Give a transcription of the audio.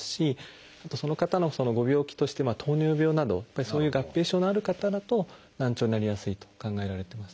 あとその方のご病気として糖尿病などそういう合併症のある方だと難聴になりやすいと考えられてます。